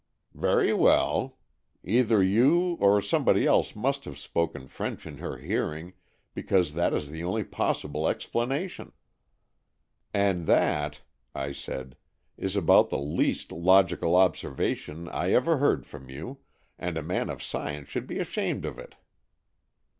" Very well. Either you or somebody else 232 AN EXCHANGE OF SOULS must have spoken French in her hearing, because that is the only possible explana tion." " And that," I said, is about the least logical observation I ever heard from you, and a man of science should be ashamed of it."